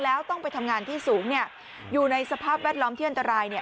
แล้วต้องไปทำงานที่สูงเนี่ยอยู่ในสภาพแวดล้อมที่อันตรายเนี่ย